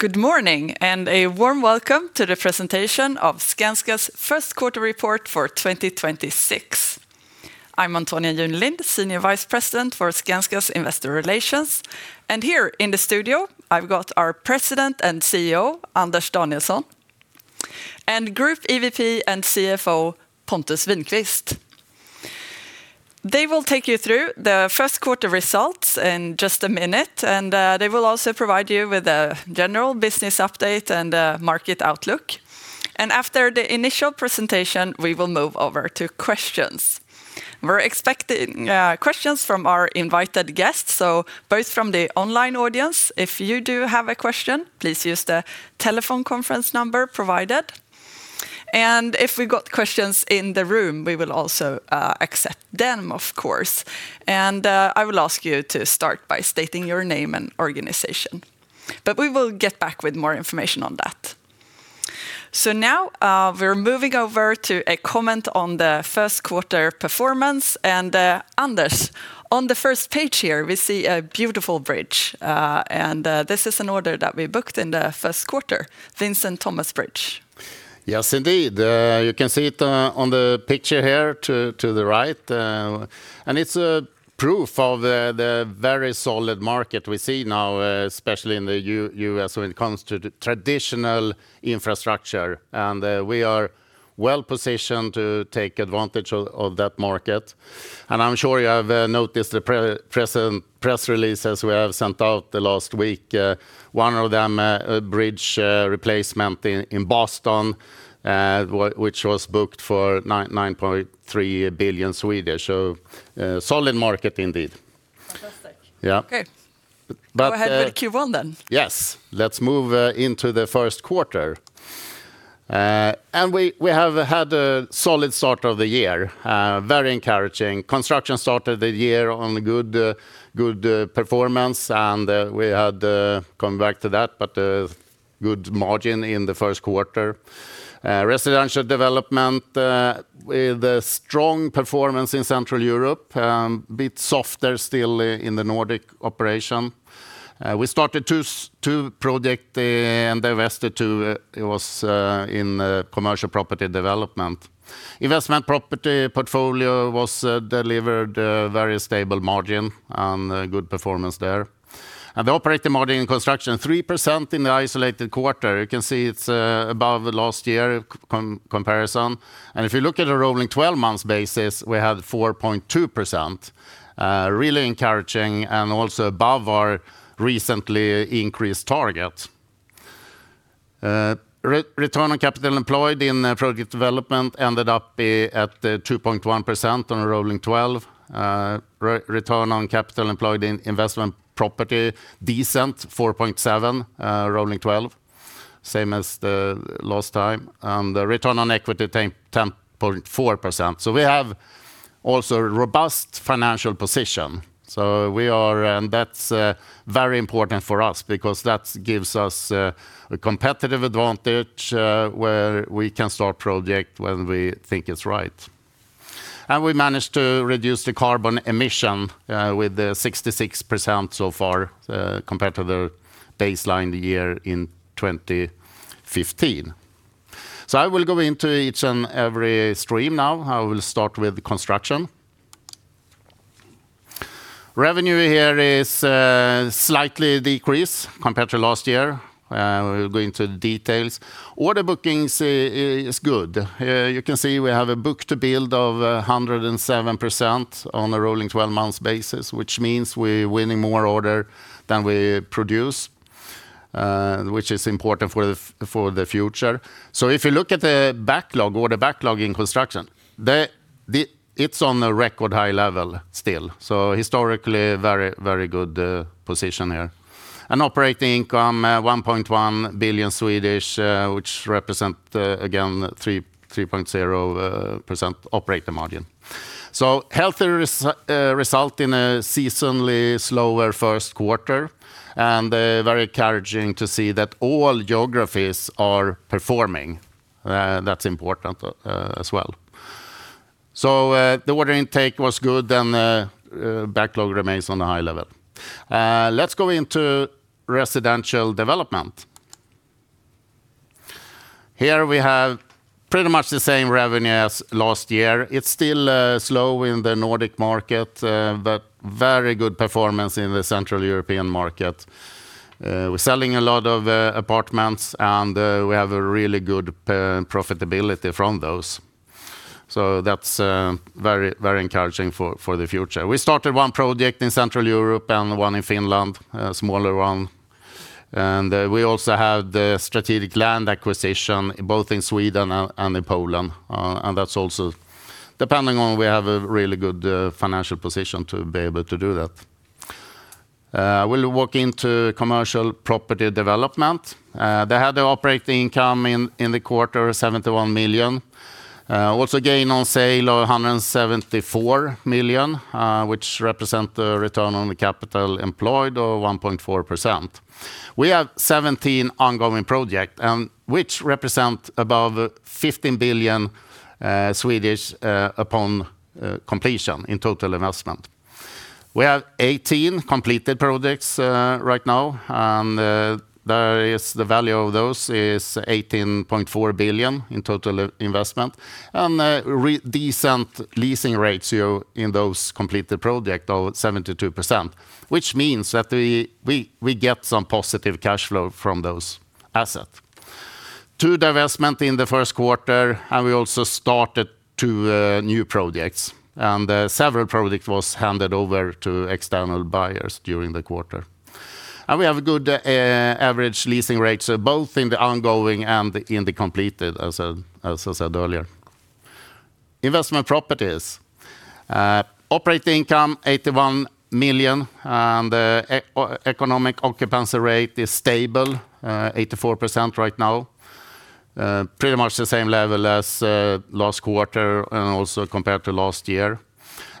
Good morning, and a warm welcome to the presentation of Skanska's first quarter report for 2026. I'm Antonia Junelind, Senior Vice President for Skanska's Investor Relations. Here in the studio, I've got our President and CEO, Anders Danielsson, and Group EVP and CFO, Pontus Winqvist. They will take you through the first quarter results in just a minute, and they will also provide you with a general business update and a market outlook. After the initial presentation, we will move over to questions. We're expecting questions from our invited guests, so both from the online audience. If you do have a question, please use the telephone conference number provided. If we got questions in the room, we will also accept them, of course. I will ask you to start by stating your name and organization. We will get back with more information on that. Now, we're moving over to a comment on the first quarter performance. Anders, on the first page here, we see a beautiful bridge. This is an order that we booked in the first quarter, Vincent Thomas Bridge. Yes, indeed. You can see it on the picture here, to the right. It's a proof of the very solid market we see now, especially in the U.S. when it comes to traditional infrastructure. We are well-positioned to take advantage of that market. I'm sure you have noticed the present press releases we have sent out the last week. One of them, a bridge replacement in Boston, which was booked for 9.3 billion. A solid market indeed. Fantastic. Yeah. Okay. But, uh. Go ahead with Q1 then. Yes. Let's move into the first quarter. We have had a solid start of the year, very encouraging. Construction started the year on a good performance. We had, going back to that, a good margin in the first quarter. Residential Development with a strong performance in Central Europe, a bit softer still in the Nordic operation. We started two project and divested to, it was in a Commercial Property Development. Investment Property portfolio was delivered a very stable margin and good performance there. The operating margin in Construction, 3% in the isolated quarter. You can see it's above the last year comparison. If you look at a rolling 12-months basis, we have 4.2%, really encouraging and also above our recently increased target. Return on capital employed in Project Development ended up at 2.1% on a rolling 12. Return on capital employed in Investment Property, decent, 4.7%, rolling 12. Same as the last time. The return on equity, 10.4%. We have also a robust financial position, and that's very important for us because that gives us a competitive advantage, where we can start project when we think it's right. We managed to reduce the carbon emission with 66% so far, compared to the baseline year in 2015. I will go into each and every stream now. I will start with Construction. Revenue here is slightly decreased compared to last year. We'll go into the details. Order bookings is good. You can see we have a book-to-build of 107% on a rolling 12-months basis, which means we're winning more order than we produce, which is important for the future. If you look at the backlog or the backlog in Construction, it's on a record-high level still. Historically, a very good position here. Operating income, 1.1 billion, which represent again 3.0% operating margin. Healthier result in a seasonally slower first quarter, and very encouraging to see that all geographies are performing. That's important as well. The order intake was good and backlog remains on a high level. Let's go into Residential Development. Here we have pretty much the same revenue as last year. It's still slow in the Nordic market, but very good performance in the Central European market. We're selling a lot of apartments, and we have a really good profitability from those. That's very, very encouraging for the future. We started one project in Central Europe and one in Finland, a smaller one. We also have the strategic land acquisition both in Sweden and in Poland. That's also depending on we have a really good financial position to be able to do that. We'll walk into Commercial Property Development. They had the operating income in the quarter, 71 million. Also gain on sale of 174 million, which represent the return on capital employed of 1.4%. We have 17 ongoing projects, which represent above 15 billion upon completion in total investment. We have 18 completed projects right now. The value of those is 18.4 billion in total investment. Decent leasing rates here in those completed projects, over 72%, which means that we get some positive cash flow from those assets. Two divestments in the first quarter, and we also started two new projects. Several projects was handed over to external buyers during the quarter. We have a good average leasing rate, both in the ongoing and in the completed, as I said earlier. Investment Properties. Operating income, 81 million. The economic occupancy rate is stable, 84% right now. Pretty much the same level as last quarter, also compared to last year.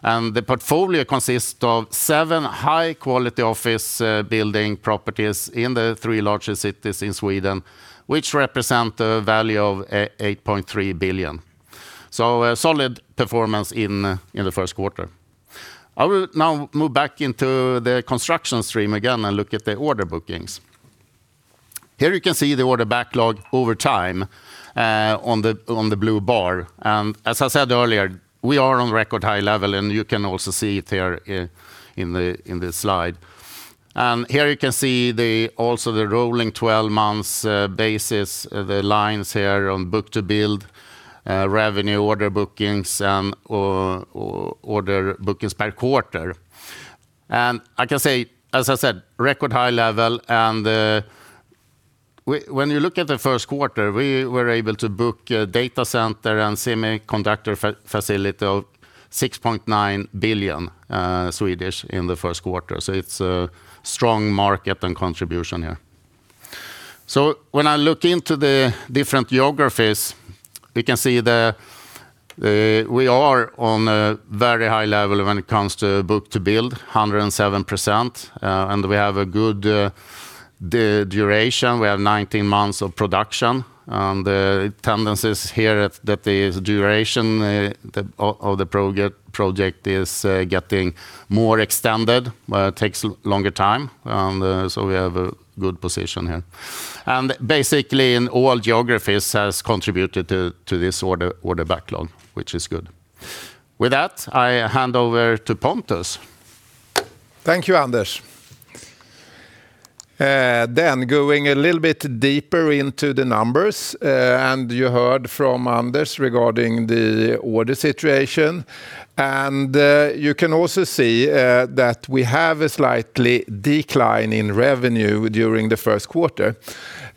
The portfolio consists of seven high-quality office building properties in the three largest cities in Sweden, which represent a value of 8.3 billion. A solid performance in the first quarter. I will now move back into the Construction stream again and look at the order bookings. Here you can see the order backlog over time on the blue bar. As I said earlier, we are on record-high level. You can also see it here in the slide. Here you can see also the rolling 12-months basis. The lines here on book-to-build revenue order bookings, or order bookings per quarter. I can say, as I said, record-high level. When you look at the first quarter, we were able to book a data center and semiconductor facility of 6.9 billion in the first quarter. It's a strong market and contribution here. When I look into the different geographies, we can see we are on a very high level when it comes to book-to-build, 107%, and we have a good duration. We have 19 months of production. The tendencies here that the duration of the project is getting more extended, takes longer time. We have a good position here. Basically in all geographies has contributed to this order backlog, which is good. With that, I hand over to Pontus. Thank you, Anders. Going a little bit deeper into the numbers, you heard from Anders regarding the order situation. You can also see that we have a slightly decline in revenue during the first quarter.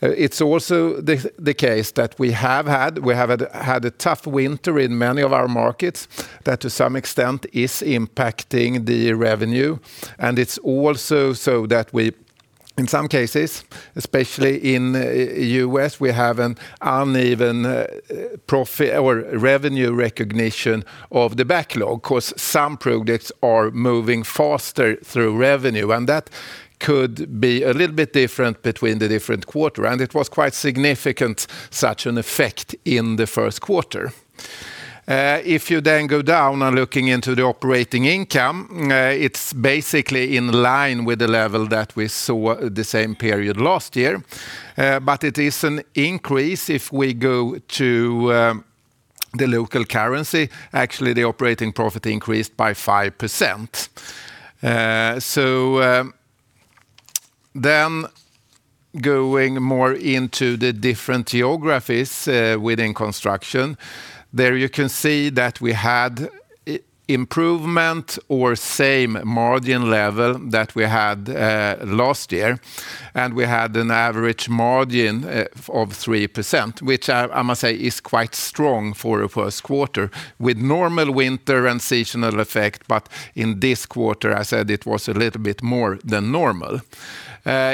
It's also the case that we have had a tough winter in many of our markets that to some extent is impacting the revenue. It's also so that we, in some cases, especially in U.S., we have an uneven revenue recognition of the backlog. 'Cause some projects are moving faster through revenue, that could be a little bit different between the different quarter. It was quite significant, such an effect in the first quarter. If you then go down on looking into the operating income, it's basically in line with the level that we saw the same period last year. It is an increase if we go to the local currency. Actually, the operating profit increased by 5%. Going more into the different geographies within Construction. There you can see that we had improvement or same margin level that we had last year. We had an average margin of 3%, which I must say is quite strong for a first quarter with normal winter and seasonal effect. In this quarter, I said it was a little bit more than normal.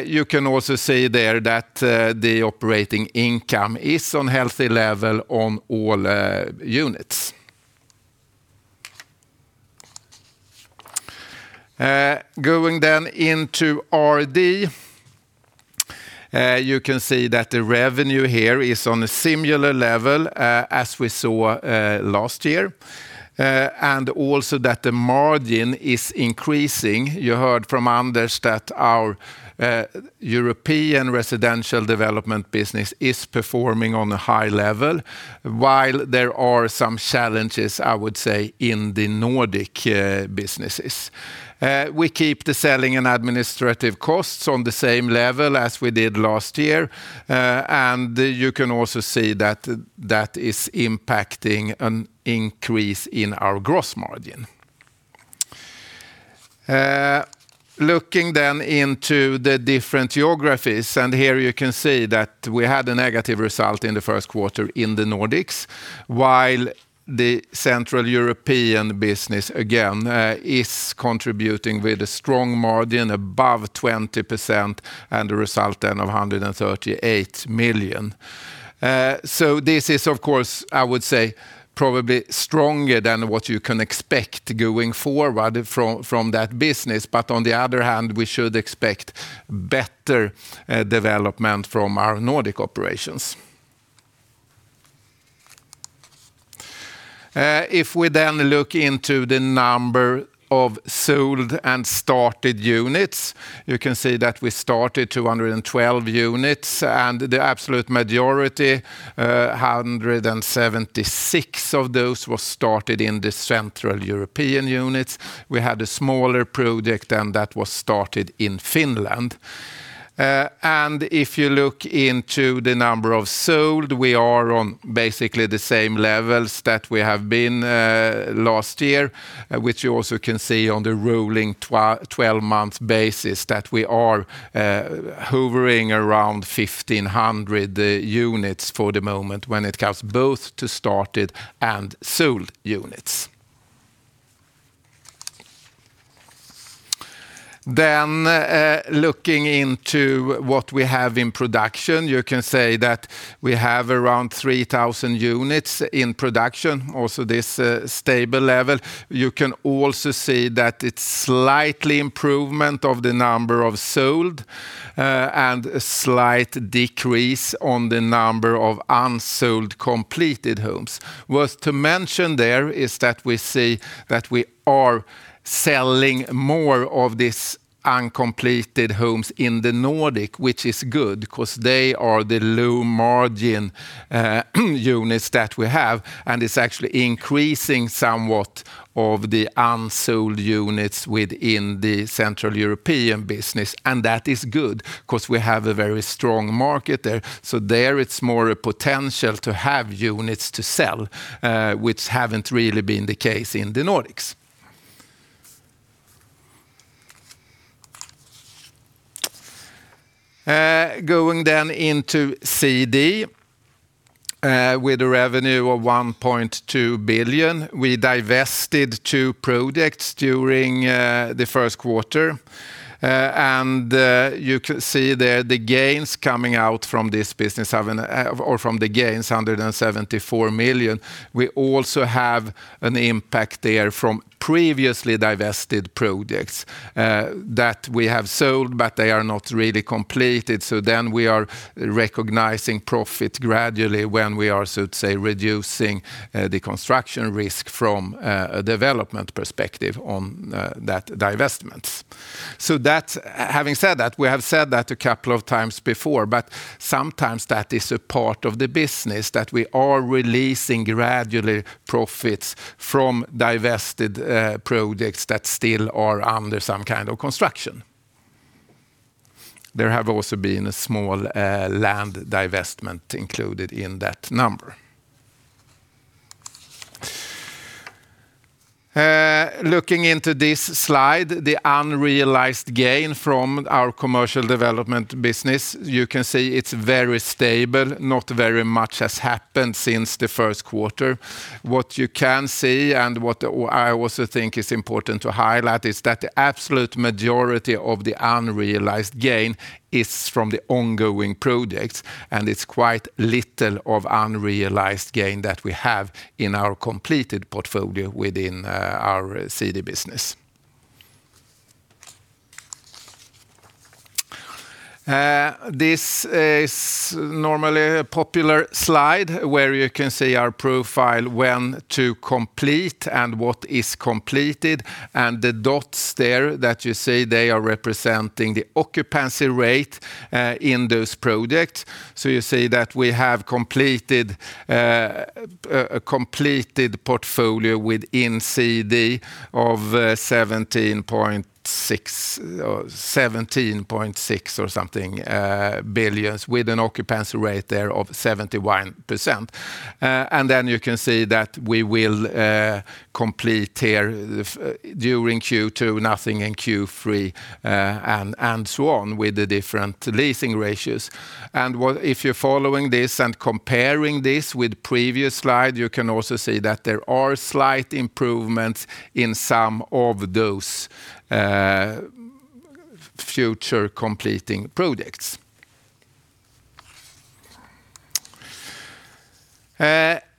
You can also see there that the operating income is on healthy level on all units. Going into RD. You can see that the revenue here is on a similar level as we saw last year, and also that the margin is increasing. You heard from Anders that our European Residential Development business is performing on a high level. While there are some challenges, I would say, in the Nordic businesses. We keep the selling and administrative costs on the same level as we did last year. You can also see that that is impacting an increase in our gross margin. Looking then into the different geographies, here you can see that we had a negative result in the first quarter in the Nordics, while the Central European business again is contributing with a strong margin above 20% and a result then of 138 million. This is, of course, I would say, probably stronger than what you can expect going forward from that business. On the other hand, we should expect better development from our Nordic operations. If we look into the number of sold and started units, you can see that we started 212 units. The absolute majority, 176 units of those, were started in the Central European units. We had a smaller project and that was started in Finland. If you look into the number of sold, we are on basically the same levels that we have been last year. Which you also can see on the rolling 12-months basis that we are hovering around 1,500 units for the moment when it comes both to started and sold units. Looking into what we have in production, you can say that we have around 3,000 units in production. Also this, stable level. You can also see that it's slightly improvement of the number of sold, and a slight decrease on the number of unsold completed homes. Worth to mention there is that we see that we are selling more of these uncompleted homes in the Nordic, which is good, because they are the low margin units that we have. It's actually increasing somewhat of the unsold units within the Central European business. That is good because we have a very strong market there. There it's more a potential to have units to sell, which haven't really been the case in the Nordics. Going down into CD, with a revenue of 1.2 billion. We divested two projects during the first quarter. You could see there the gains coming out from this business have been, or from the gains, 174 million. We also have an impact there from previously divested projects that we have sold, but they are not really completed. Then we are recognizing profit gradually when we are, so to say, reducing the construction risk from a development perspective on that divestments. Having said that, we have said that a couple of times before. Sometimes that is a part of the business that we are releasing gradually profits from divested projects that still are under some kind of construction. There have also been a small land divestment included in that number. Looking into this slide, the unrealized gain from our Commercial Development business. You can see it's very stable. Not very much has happened since the first quarter. What you can see, and what I also think is important to highlight, is that the absolute majority of the unrealized gain is from the ongoing projects. It's quite little of unrealized gain that we have in our completed portfolio within our CD business. This is normally a popular slide where you can see our profile, when to complete and what is completed. The dots there that you see, they are representing the occupancy rate in those projects. You see that we have a completed portfolio within CD of 17.6 billion or something, with an occupancy rate there of 71%. You can see that we will complete here during Q2, nothing in Q3, and so on, with the different leasing ratios. If you're following this and comparing this with previous slide, you can also see that there are slight improvements in some of those future completing projects.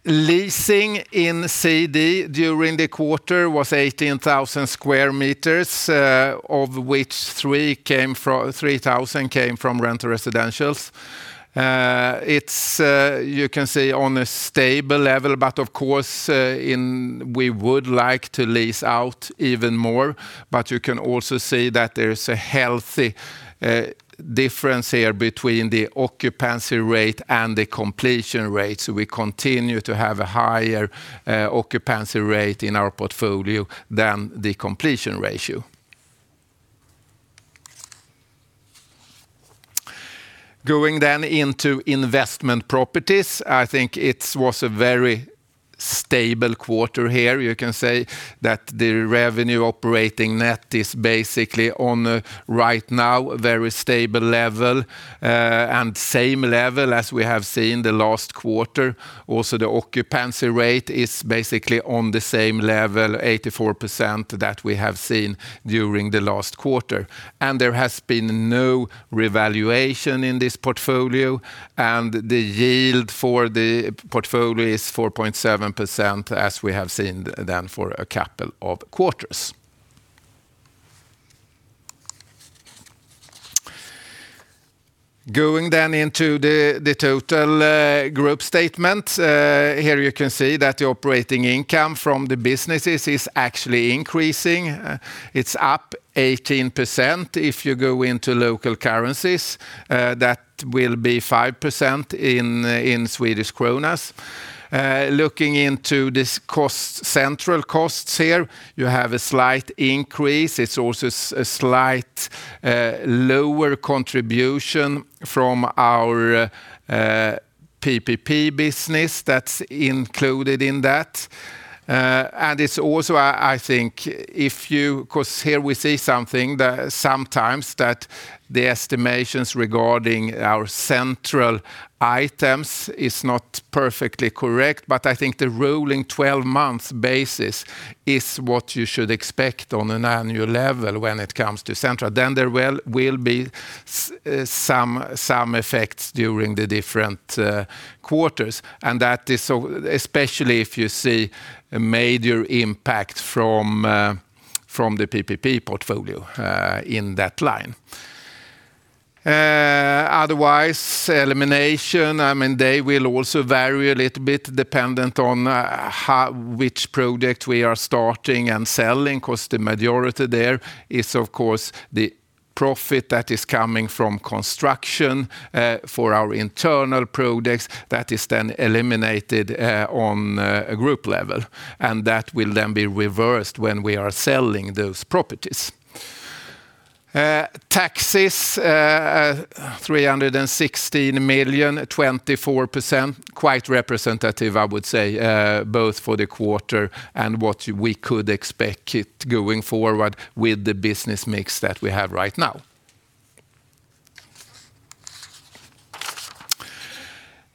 Leasing in CD during the quarter was 18,000 sq m, of which 3,000 sq m came from rental residentials. It's, you can see on a stable level. Of course, we would like to lease out even more. You can also see that there is a healthy difference here between the occupancy rate and the completion rate. We continue to have a higher occupancy rate in our portfolio than the completion ratio. Going into Investment Properties. I think it was a very stable quarter here. You can say that the revenue operating net is basically on, right now, very stable level. Same level as we have seen the last quarter. The occupancy rate is basically on the same level, 84%, that we have seen during the last quarter. There has been no revaluation in this portfolio. The yield for the portfolio is 4.7%, as we have seen for a couple of quarters. Going into the total group statement. Here you can see that the operating income from the businesses is actually increasing. It's up 18%. If you go into local currencies, that will be 5% in Swedish kronas. Looking into Central costs here, you have a slight increase. It's also a slight lower contribution from our PPP business that's included in that. It's also, I think if you, cause here, we see something that sometimes that the estimations regarding our Central items is not perfectly correct. I think the rolling 12-months basis is what you should expect on an annual level when it comes to Central. There will be some effects during the different quarters, and that is so especially if you see a major impact from the PPP portfolio in that line. Otherwise, elimination. They will also vary a little bit dependent on how, which project we are starting and selling, 'cause the majority there is, of course, the profit that is coming from Construction for our internal projects that is then eliminated on a group level. That will then be reversed when we are selling those properties. Taxes, SEK 316 million, 24%. Quite representative, I would say, both for the quarter and what we could expect it going forward with the business mix that we have right now.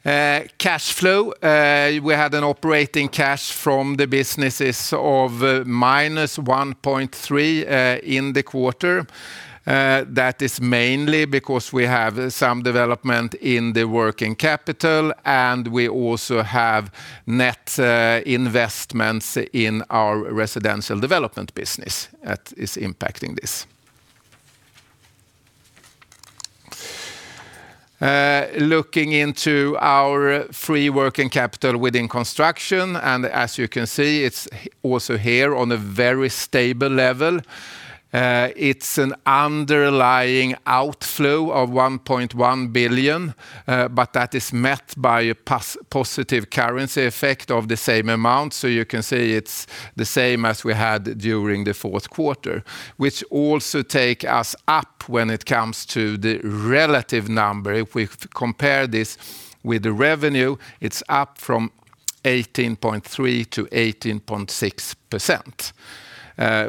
Cash flow. We had an operating cash from the businesses of -1.3 billion in the quarter. That is mainly because we have some development in the working capital, and we also have net investments in our Residential Development business that is impacting this. Looking into our free working capital within Construction. As you can see, it's also here on a very stable level. It's an underlying outflow of 1.1 billion, but that is met by a positive currency effect of the same amount. You can see it's the same as we had during the fourth quarter, which also take us up when it comes to the relative number. If we compare this with the revenue, it's up from 18.3% to 18.6%,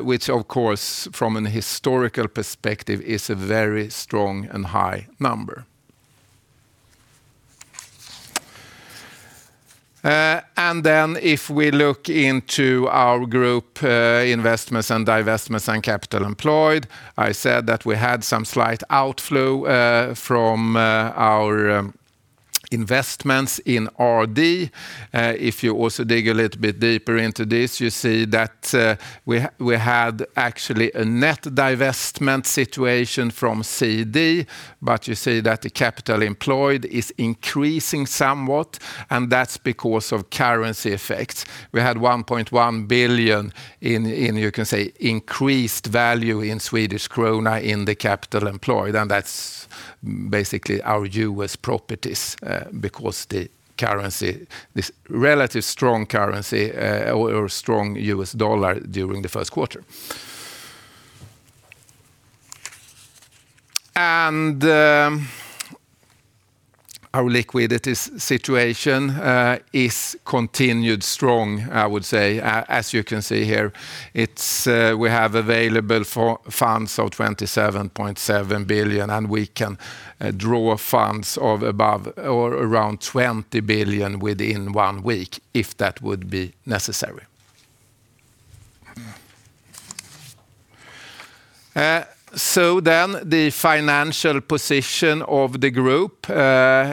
which of course from an historical perspective is a very strong and high number. Then if we look into our group investments and divestments and capital employed, I said that we had some slight outflow from our investments in RD. If you also dig a little bit deeper into this, you see that we had actually a net divestment situation from CD. You see that the capital employed is increasing somewhat, and that's because of currency effects. We had 1.1 billion, you can say, increased value in Swedish krona in the capital employed. That's basically our U.S. properties because the currency, this relative strong currency, or strong U.S. dollar during the first quarter. Our liquidity situation is continued strong, I would say. As you can see here, it's we have available for funds of 27.7 billion. We can draw funds of above or around 20 billion within one week if that would be necessary. The financial position of the group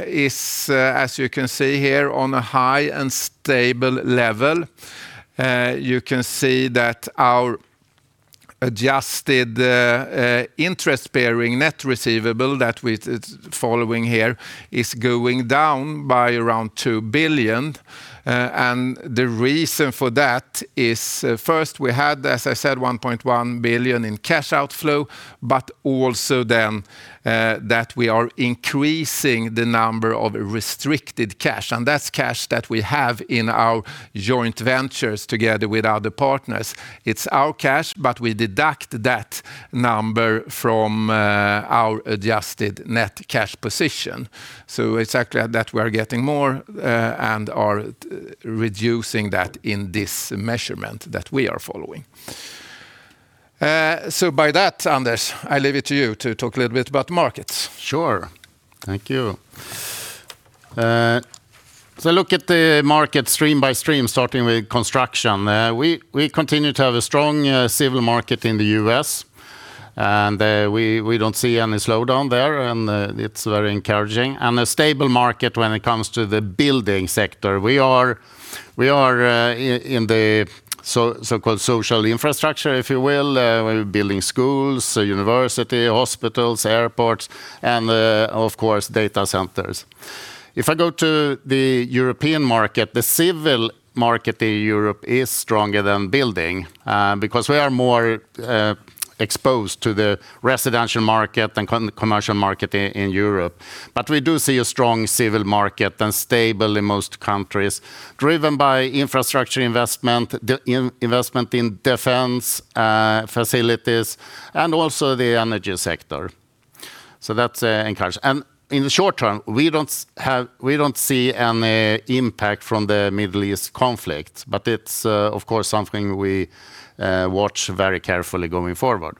is, as you can see here, on a high and stable level. You can see that our adjusted interest-bearing net receivable that we, it's following here, is going down by around 2 billion. The reason for that is: first, we had as I said 1.1 billion in cash outflow, but also then that we are increasing the number of restricted cash. That's cash that we have in our joint ventures together with other partners. It's our cash, but we deduct that number from our adjusted net cash position. Exactly that we are getting more and are reducing that in this measurement that we are following. By that, Anders, I leave it to you to talk a little bit about markets. Sure. Thank you. Look at the market stream by stream, starting with Construction. We continue to have a strong civil market in the U.S. We don't see any slowdown there, it's very encouraging. A stable market when it comes to the building sector. We are in the so-called social infrastructure, if you will. We're building schools, so university, hospitals, airports, and of course, data centers. If I go to the European market, the civil market in Europe is stronger than building because we are more exposed to the residential market than commercial market in Europe. We do see a strong civil market and stable in most countries driven by infrastructure investment, the investment in defense facilities, and also the energy sector. That's encouraged. In the short term, we don't see any impact from the Middle East conflict. It's of course something we watch very carefully going forward.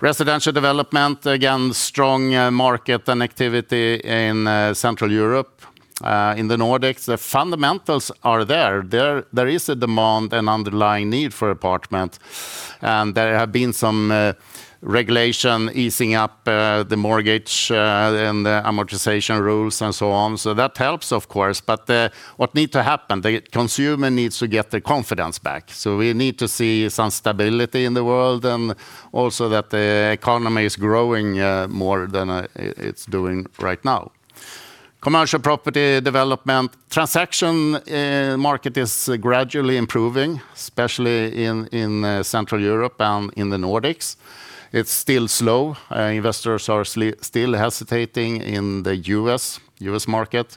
Residential Development, again, strong market and activity in Central Europe. In the Nordics, the fundamentals are there. There is a demand and underlying need for apartment, and there have been some regulation easing up the mortgage and the amortization rules and so on. That helps of course, but what need to happen, the consumer needs to get their confidence back. We need to see some stability in the world and also that the economy is growing more than it's doing right now. Commercial Property Development transaction market is gradually improving, especially in Central Europe and in the Nordics. It's still slow. Investors are still hesitating in the U.S., U.S. market.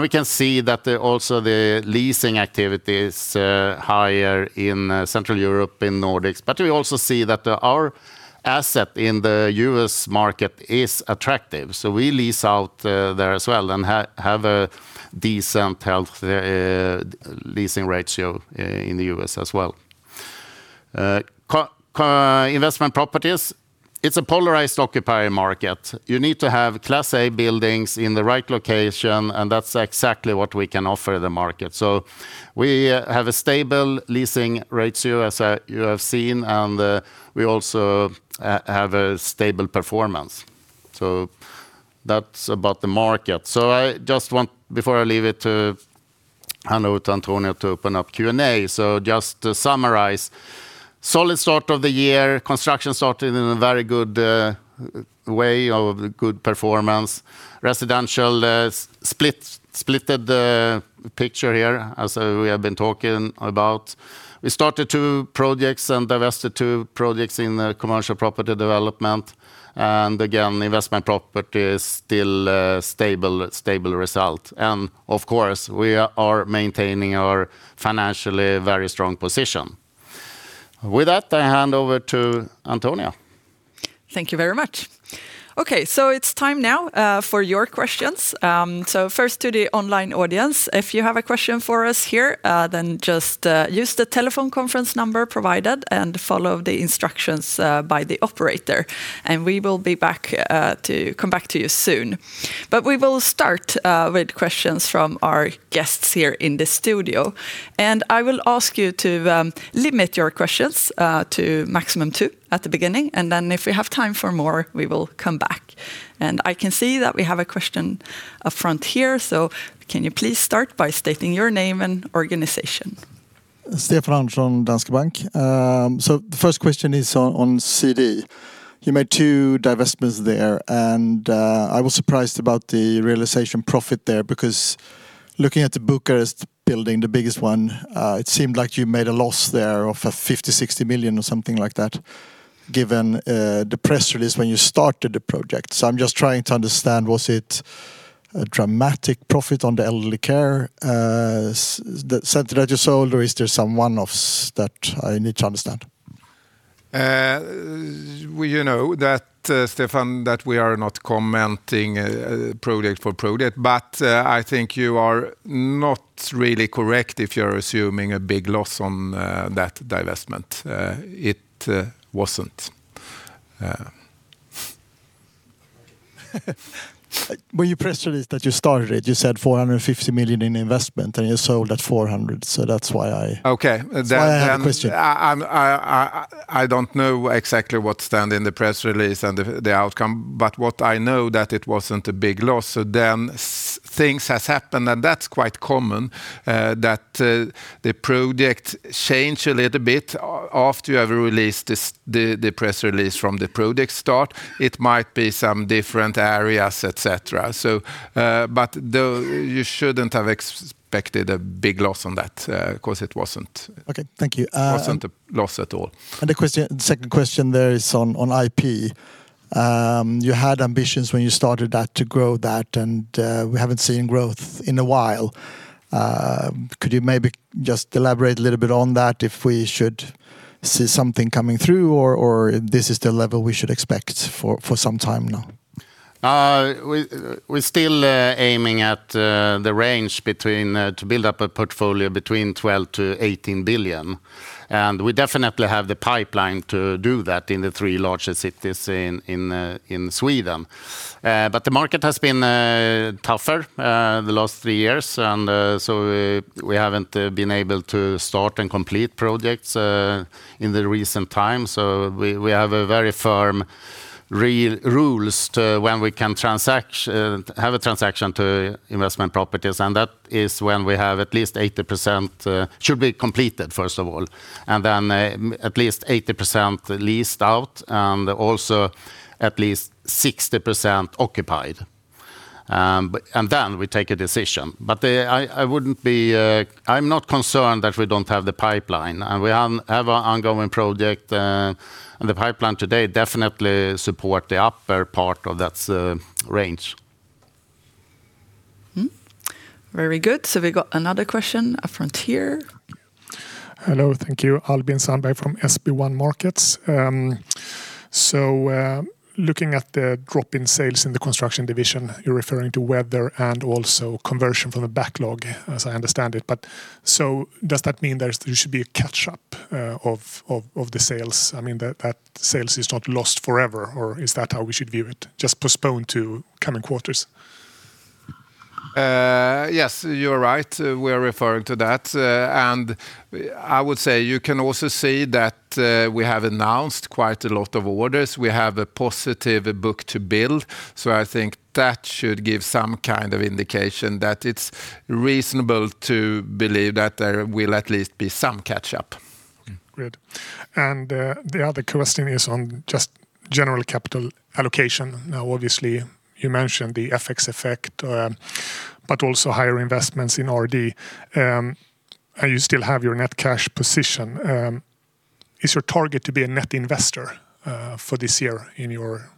We can see that also the leasing activity is higher in Central Europe, in Nordics. We also see that our asset in the U.S. market is attractive, so we lease out there as well and have a decent health leasing ratio in the U.S. as well. Investment Properties. It's a polarized occupier market. You need to have Class A buildings in the right location, and that's exactly what we can offer the market. We have a stable leasing ratio, as you have seen, and we also have a stable performance. That's about the market. I just want, before I leave it to, hand over to Antonia to open up Q&A, just to summarize. Solid start of the year. Construction started in a very good way of good performance. Residential splitted the picture here, as we have been talking about. We started two projects and divested two projects in Commercial Property Development. Again, Investment Property is still a stable result. Of course, we are maintaining our financially very strong position. With that, I hand over to Antonia. Thank you very much. It's time now for your questions. First to the online audience. If you have a question for us here, then just use the telephone conference number provided and follow the instructions by the operator. We will come back to you soon. We will start with questions from our guests here in the studio. I will ask you to limit your questions to maximum two at the beginning. Then, if we have time for more, we will come back. I can see that we have a question up front here. Can you please start by stating your name and organization? Stefan from Danske Bank. The first question is on CD. You made two divestments there. I was surprised about the realization profit there because looking at the Bucharest building, the biggest one, it seemed like you made a loss there of 50 million-60 million or something like that given the press release when you started the project. I'm just trying to understand, was it a dramatic profit on the elderly care that you sold, or is there some one-offs that I need to understand? We, you know, Stefan, that we are not commenting project for project. I think you are not really correct if you're assuming a big loss on that divestment. It wasn't. When you press release that you started it, you said 450 million in investment. You sold at 400 million. That's why- Okay. I have the question. I don't know exactly what stand in the press release and the outcome, but what I know that it wasn't a big loss. Things has happened. That's quite common that the project change a little bit after you have released this, the press release from the project start. It might be some different areas, et cetera. You shouldn't have expected a big loss on that 'cause it wasn't. Okay. Thank you. It wasn't a loss at all. The second question there is on IP. You had ambitions when you started that to grow that, we haven't seen growth in a while. Could you maybe just elaborate a little bit on that if we should see something coming through or this is the level we should expect for some time now? We still aiming at the range between to build up a portfolio between 12 billion-18 billion. We definitely have the pipeline to do that in the three largest cities in Sweden. The market has been tougher, the last three years. We haven't been able to start and complete projects in the recent times. We have a very firm rules to when we can transact, have a transaction to Investment Properties. That is when we have at least 80% should be completed, first of all. At least 80% leased out, also at least 60% occupied. Then, we take a decision. I'm not concerned that we don't have the pipeline, and we have an ongoing project. The pipeline today definitely support the upper part of that range. Mm-hmm. Very good. We got another question up front here. Hello. Thank you. Albin Sandberg from SB1 Markets. Looking at the drop in sales in the Construction division, you're referring to weather and also conversion from the backlog, as I understand it. Does that mean there should be a catch-up of the sales? I mean, that sales is not lost forever or is that how we should view it, just postponed to coming quarters? Yes, you are right. We are referring to that. I would say you can also see that we have announced quite a lot of orders. We have a positive book-to-build. I think that should give some kind of indication that it's reasonable to believe that there will at least be some catch-up. Okay. Good. The other question is on just general capital allocation. Now, obviously, you mentioned the FX effect, but also higher investments in RD. You still have your net cash position. Is your target to be a net investor for this year in your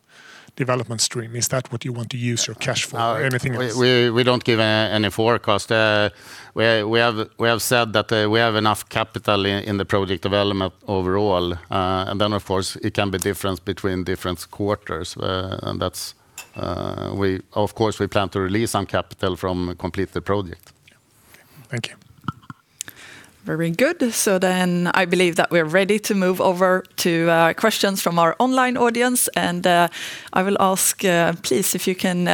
development stream? Is that what you want to use your cash for? Anything else? We don't give any forecast. We have said that we have enough capital in the Project Development overall. Of course it can be difference between different quarters. That's, of course, we plan to release some capital from completed project. Yeah. Okay. Thank you. Very good. I believe that we're ready to move over to questions from our online audience. I will ask, please, if you can,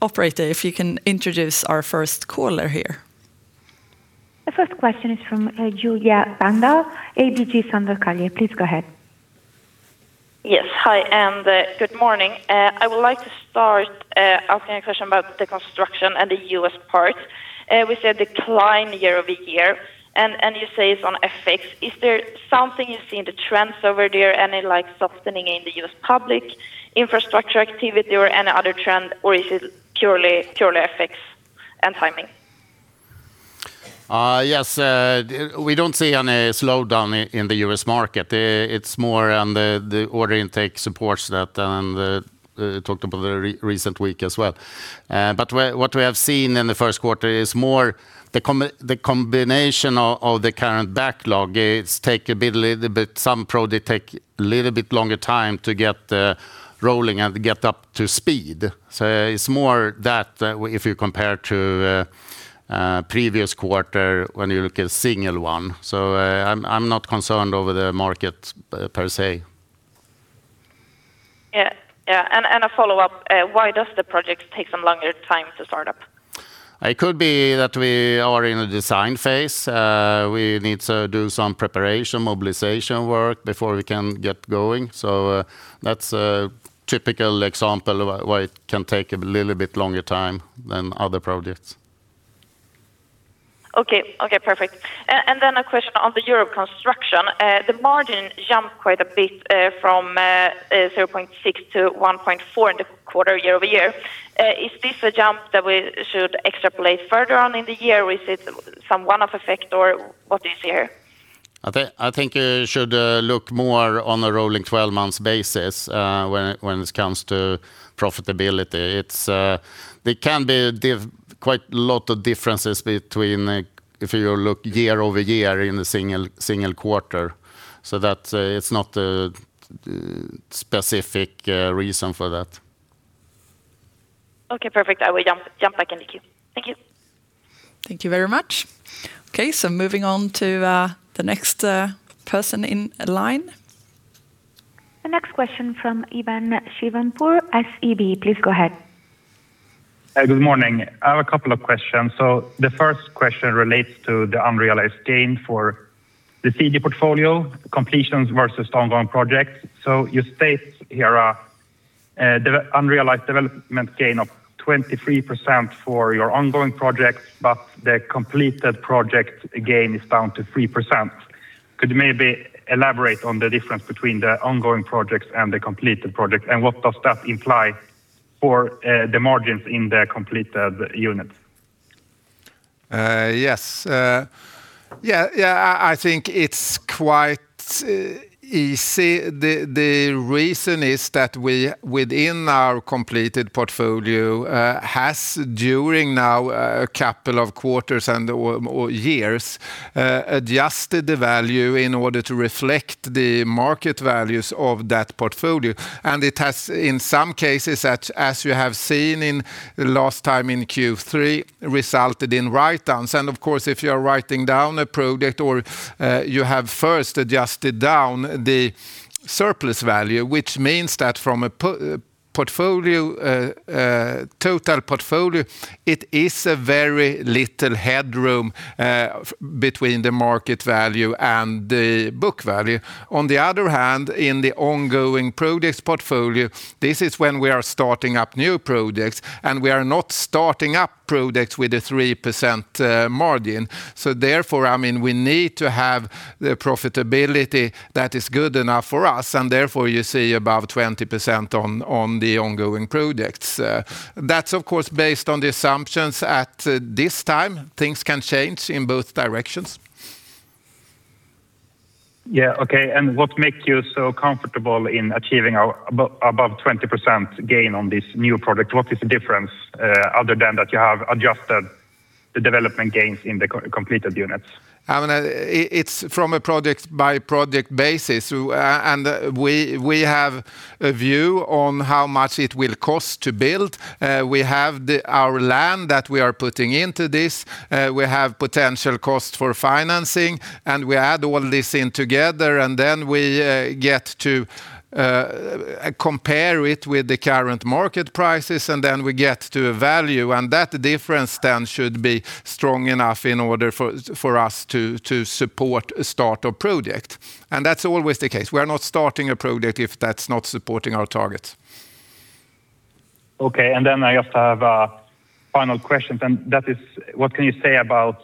operator, if you can introduce our first caller here. The first question is from a Julia Sundvall, ABG Sundal Collier. Please go ahead. Yes. Hi, and good morning. I would like to start asking a question about the Construction and the U.S. part. We see a decline year-over-year. You say it's on FX. Is there something you see in the trends over there, any, like, softening in the U.S. public infrastructure activity or any other trend, or is it purely FX and timing? Yes. We don't see any slowdown in the U.S. market. It's more on the order intake supports that talked about the recent week as well. What we have seen in the first quarter is more the combination of the current backlog. It's take a little bit, some project take a little bit longer time to get rolling and get up to speed. It's more that, if you compare to previous quarter when you look at single one. I'm not concerned over the market per se. Yeah. Yeah. A follow-up. Why does the projects take some longer time to start up? It could be that we are in a design phase. We need to do some preparation, mobilization work before we can get going. That's a typical example of why it can take a little bit longer time than other projects. Okay. Okay, perfect. A question on the Europe Construction. The margin jumped quite a bit from 0.6% to 1.4% in the quarter year-over-year. Is this a jump that we should extrapolate further on in the year? Is it some one-off effect or what is here? I think you should look more on a rolling 12-months basis, when it comes to profitability. There can be quite lot of differences between, like, if you look year-over-year in the single quarter. That it's not a specific reason for that. Okay, perfect. I will jump back in the queue. Thank you. Thank you very much. Okay, moving on to the next person in line. The next question from Keivan Shirvanpour, SEB. Please go ahead. Good morning. I have a couple of questions. The first question relates to the unrealized gain for the CD portfolio, completions versus ongoing projects. You state here the unrealized development gain of 23% for your ongoing projects, but the completed project gain is down to 3%. Could you maybe elaborate on the difference between the ongoing projects and the completed projects, and what does that imply for the margins in the completed units? Yes. Yeah, yeah, I think it's quite easy. The reason is that we, within our completed portfolio, has during now a couple of quarters and or years, adjusted the value in order to reflect the market values of that portfolio. It has in some cases, as you have seen in the last time in Q3, resulted in write-downs. Of course, if you are writing down a project or you have first adjusted down the surplus value, which means that from a portfolio, total portfolio, it is a very little headroom between the market value and the book value. On the other hand, in the ongoing projects portfolio, this is when we are starting up new projects, and we are not starting up projects with a 3% margin. Therefore, I mean, we need to have the profitability that is good enough for us. Therefore, you see about 20% on the ongoing projects. That's of course based on the assumptions at this time. Things can change in both directions. Yeah. Okay. What make you so comfortable in achieving above 20% gain on this new product? What is the difference other than that you have adjusted the development gains in the completed units? I mean, it's from a project-by-project basis. We have a view on how much it will cost to build. We have our land that we are putting into this. We have potential cost for financing. We add all this in together. We get to compare it with the current market prices. We get to a value. That difference should be strong enough in order for us to support, start of project. That's always the case. We are not starting a project, if that's not supporting our targets. Okay. I also have a final question. That is, what can you say about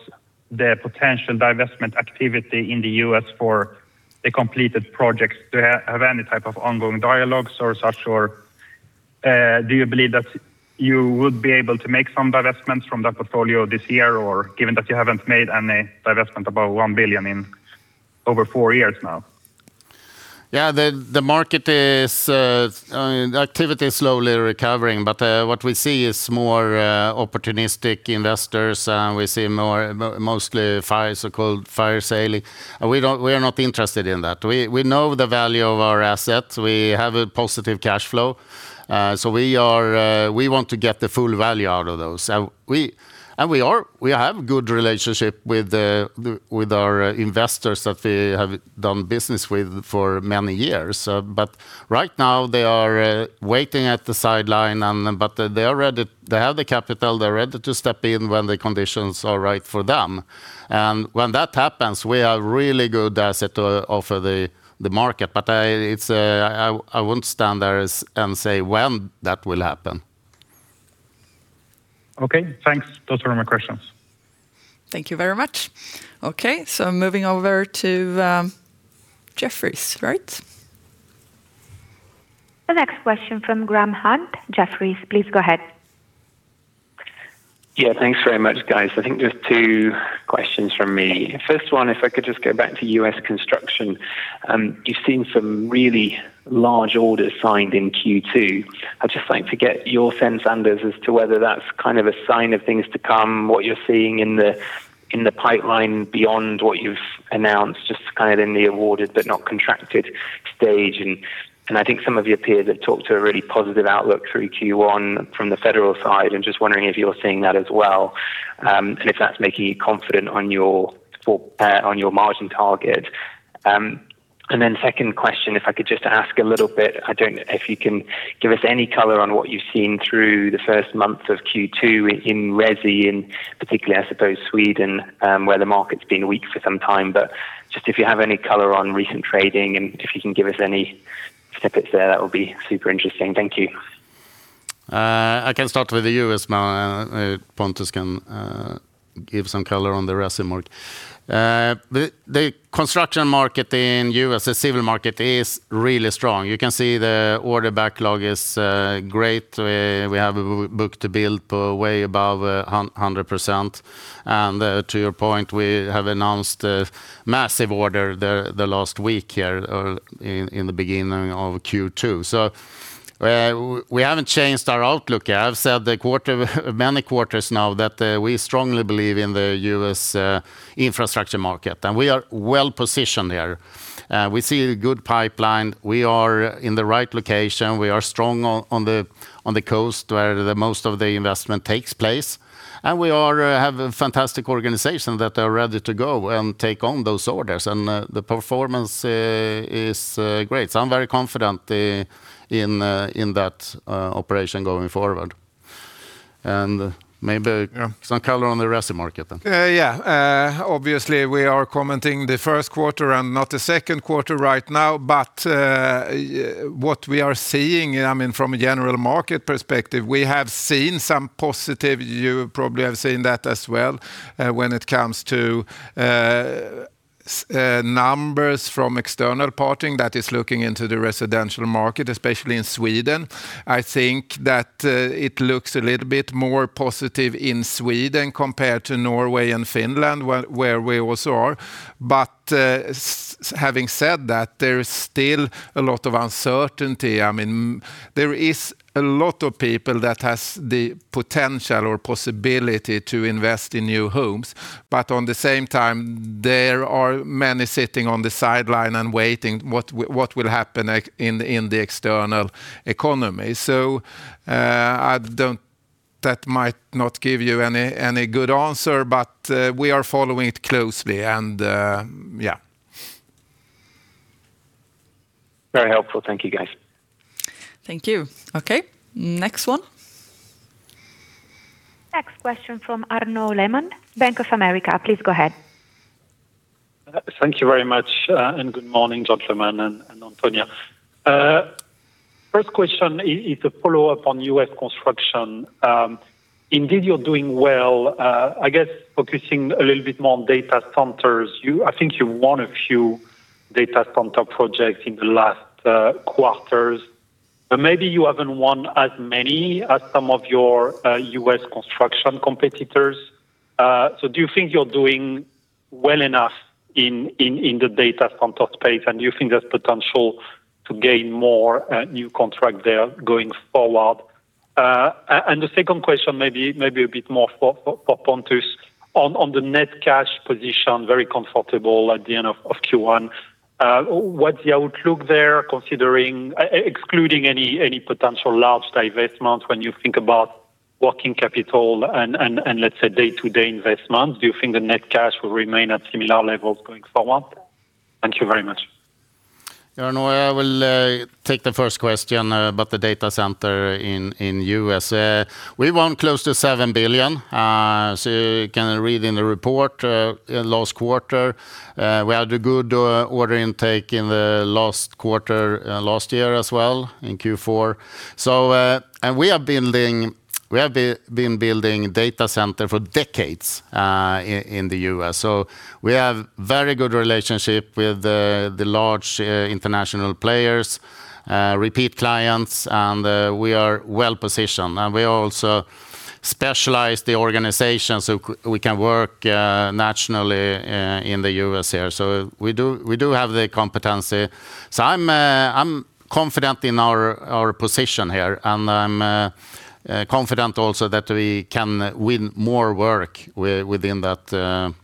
the potential divestment activity in the U.S. for the completed projects? Do you have any type of ongoing dialogues or such? Do you believe that you would be able to make some divestments from that portfolio this year, or given that you haven't made any divestment above 1 billion in over four years now? The market is, I mean, the activity is slowly recovering. What we see is more opportunistic investors. We see more mostly fire, so-called fire sale. We don't, we are not interested in that. We know the value of our assets. We have a positive cash flow. We are, we want to get the full value out of those. We are, we have good relationship with the, with our investors that we have done business with for many years. Right now they are waiting at the sideline, they are ready. They have the capital. They're ready to step in when the conditions are right for them. When that happens, we have really good asset to offer the market. I won't stand there and say when that will happen. Okay. Thanks. Those were my questions. Thank you very much. Okay, moving over to Jefferies, right? The next question from Graham Hunt, Jefferies. Please go ahead. Yeah. Thanks very much, guys. I think there's two questions from me. First one, if I could just go back to U.S. Construction. You've seen some really large orders signed in Q2. I'd just like to get your sense, Anders, as to whether that's kind of a sign of things to come, what you're seeing in the, in the pipeline beyond what you've announced. Just kind of in the awarded but not contracted stage. I think some of your peers have talked to a really positive outlook through Q1 from the federal side. I'm just wondering if you're seeing that as well, and if that's making you confident on your margin target? Then second question, if I could just ask a little bit. I don't know if you can give us any color on what you've seen through the first months of Q2 in resi, in particular, I suppose, Sweden? Where the market's been weak for some time. But, just if you have any color on recent trading, and if you can give us any snippets there? That would be super interesting. Thank you. I can start with the U.S. Pontus can give some color on the resi market. The construction market in U.S., the civil market, is really strong. You can see the order backlog is great. We have a book-to-build way above 100%. To your point, we have announced a massive order the last week here or in the beginning of Q2. We haven't changed our outlook. I've said the quarter, many quarters now that we strongly believe in the U.S. infrastructure market. We are well positioned there. We see a good pipeline. We are in the right location. We are strong on the coast where the most of the investment takes place, and we have a fantastic organization that are ready to go and take on those orders. The performance is great. I'm very confident in that operation going forward. Yeah. Maybe some color on the resi market then. Yeah. Obviously we are commenting the first quarter and not the second quarter right now. What we are seeing, I mean, from a general market perspective, we have seen some positive. You probably have seen that as well. When it comes to numbers from external party that is looking into the residential market, especially in Sweden, I think that it looks a little bit more positive in Sweden compared to Norway and Finland where we also are. Having said that, there is still a lot of uncertainty. I mean, there is a lot of people that has the potential or possibility to invest in new homes. On the same time, there are many sitting on the sideline and waiting what will happen, like, in the external economy. That might not give you any good answer, but we are following it closely. Very helpful. Thank you, guys. Thank you. Okay. Next one. Next question from Arnaud Lehrmann, Bank of America, please go ahead. Thank you very much. Good morning, gentlemen and Antonia. First question is a follow-up on U.S. Construction. Indeed you're doing well, I guess focusing a little bit more on data centers. I think you won a few data center projects in the last quarters, but maybe you haven't won as many as some of your U.S. Construction competitors. Do you think you're doing well enough in the data center space, and do you think there's potential to gain more new contract there going forward? The second question may be a bit more for Pontus on the net cash position, very comfortable at the end of Q1. What the outlook there considering, excluding any potential large divestment when you think about working capital and let's say day-to-day investment, do you think the net cash will remain at similar levels going forward? Thank you very much. You know, I will take the first question about the data center in the U.S. We won close to 7 billion. You can read in the report in last quarter. We had a good order intake in the last quarter last year as well in Q4. We are building, we have been building data center for decades in the U.S. We have very good relationship with the large international players, repeat clients, and we are well-positioned. We also specialize the organization so we can work nationally in the U.S. here. We do, we do have the competency. I'm confident in our position here, and I'm confident also that we can win more work within that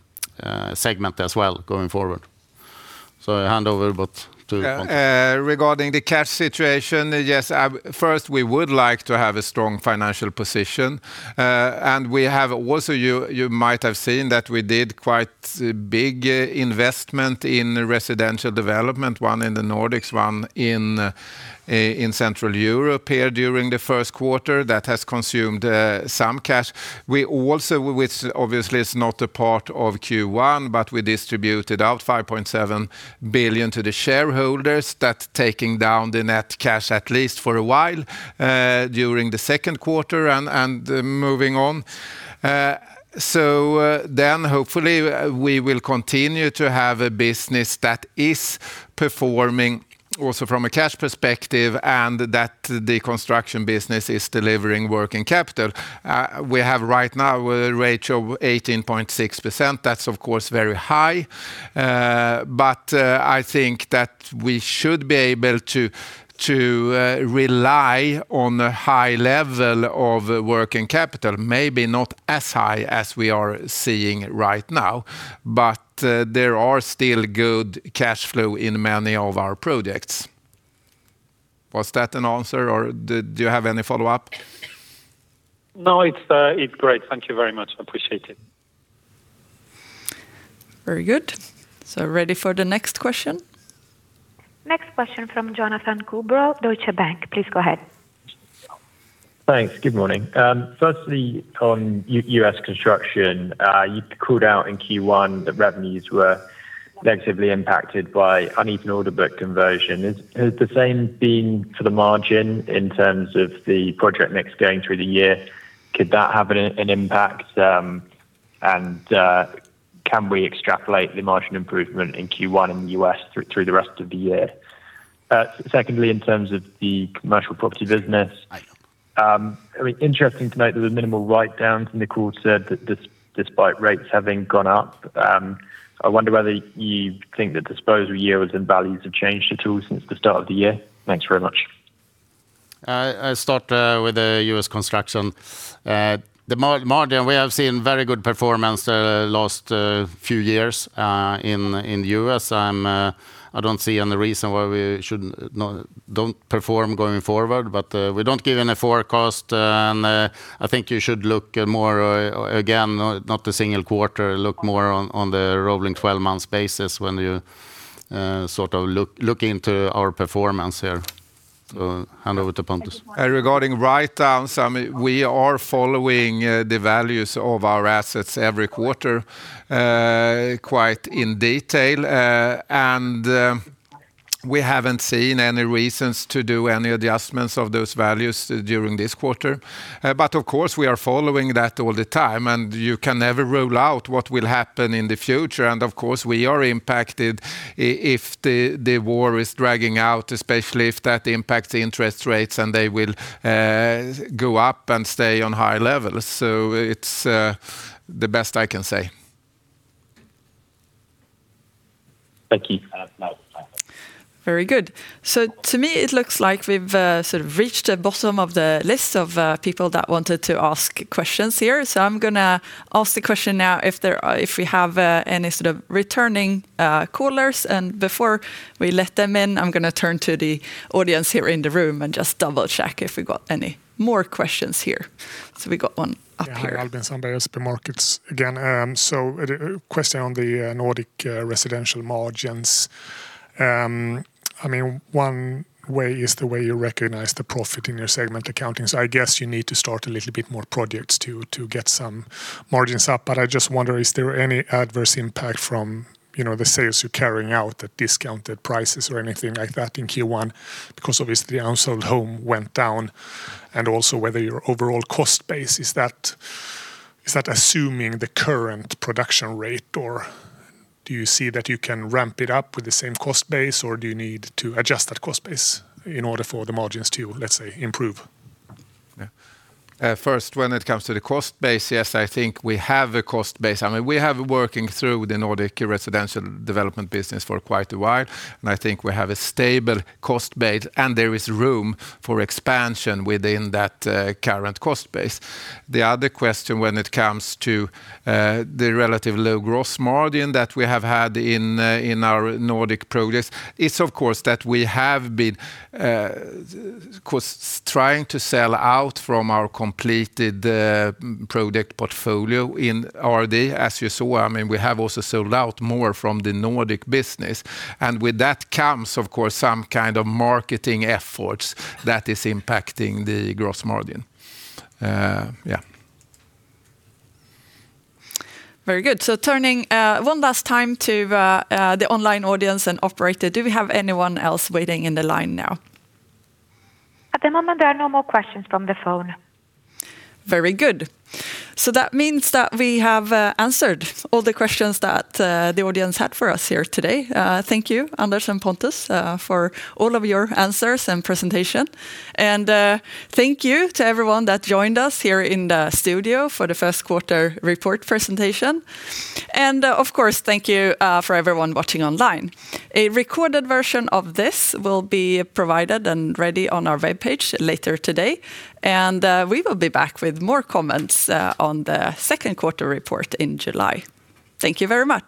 segment as well going forward. I hand it over to Pontus. Yeah. Regarding the cash situation. Yes. First, we would like to have a strong financial position. We have also, you might have seen that we did quite big investment in Residential Development. One in the Nordics, one in Central Europe here during the first quarter that has consumed some cash. We also, which obviously is not a part of Q1, but we distributed out 5.7 billion to the shareholders. That's taking down the net cash at least for a while during the second quarter and moving on. Hopefully we will continue to have a business that is performing also from a cash perspective and that the Construction business is delivering working capital. We have right now a rate of 18.6%. That's of course very high. I think that we should be able to rely on the high level of working capital. Maybe not as high as we are seeing right now. There are still good cash flow in many of our projects. Was that an answer or do you have any follow-up? No, it's great. Thank you very much. I appreciate it. Very good. Ready for the next question. Next question from Jonathan Coubrough, Deutsche Bank. Please go ahead. Thanks. Good morning. Firstly, on U.S. Construction, you called out in Q1 that revenues were negatively impacted by uneven order book conversion. Has the same been for the margin in terms of the project mix going through the year? Could that have an impact? Can we extrapolate the margin improvement in Q1 in the U.S. through the rest of the year? Secondly, in terms of the Commercial Property business. I mean, interesting to note there was minimal write-downs. Nico said that despite rates having gone up, I wonder whether you think the disposal yields and values have changed at all since the start of the year. Thanks very much. I start with the U.S. Construction. The margin, we have seen very good performance last few years in the U.S. I'm, I don't see any reason why we shouldn't, no, don't perform going forward. We don't give any forecast. I think you should look more again, not the single quarter, look more on the rolling 12-months basis when you sort of look into our performance here. Hand over to Pontus. Regarding write-downs, I mean, we are following the values of our assets every quarter quite in detail. We haven't seen any reasons to do any adjustments of those values during this quarter. Of course, we are following that all the time. You can never rule out what will happen in the future. Of course, we are impacted if the war is dragging out, especially if that impacts the interest rates and they will go up and stay on high levels. It's the best I can say. Thank you. Very good. To me, it looks like we've sort of reached the bottom of the list of people that wanted to ask questions here. I'm gonna ask the question now if we have any sort of returning callers. Before we let them in, I'm gonna turn to the audience here in the room and just double-check if we got any more questions here. We got one up here. Albin Sandberg, SB Markets, again. A question on the Nordic Residential margins. I mean, one way is the way you recognize the profit in your segment accounting. I guess you need to start a little bit more projects to get some margins up. I just wonder, is there any adverse impact from, you know, the sales you're carrying out at discounted prices or anything like that in Q1? Because obviously the unsold home went down. Whether your overall cost base is that assuming the current production rate, or do you see that you can ramp it up with the same cost base, or do you need to adjust that cost base in order for the margins to, let's say, improve? Yeah. First, when it comes to the cost base, yes, I think we have a cost base. I mean, we have working through the Nordic Residential Development business for quite a while. I think we have a stable cost base, and there is room for expansion within that current cost base. The other question when it comes to the relative low gross margin that we have had in our Nordic progress is, of course, that we have been trying to sell out from our completed product portfolio in RD, as you saw. I mean, we have also sold out more from the Nordic business. With that comes, of course, some kind of marketing efforts that is impacting the gross margin. Yeah. Very good. Turning one last time to the online audience and operator, do we have anyone else waiting in the line now? At the moment, there are no more questions from the phone. Very good. That means that we have answered all the questions that the audience had for us here today. Thank you, Anders and Pontus, for all of your answers and presentation. Thank you to everyone that joined us here in the studio for the first quarter report presentation. Of course, thank you for everyone watching online. A recorded version of this will be provided and ready on our webpage later today. We will be back with more comments on the second quarter report in July. Thank you very much.